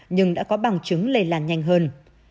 nhưng đã có bằng chứng lây lan nhanh hơn